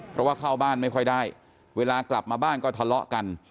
เพราะว่าเข้าบ้านไม่ค่อยได้เวลากลับมาบ้านก็ทะเลาะกัน